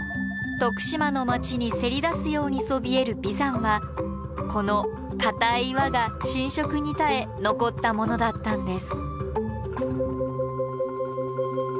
徳島の街にせり出すようにそびえる眉山はこの硬い岩が浸食に耐え残ったものだったんです。